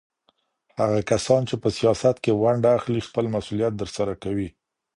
هغه کسان چي په سياست کي ونډه اخلي خپل مسؤليت ترسره کوي.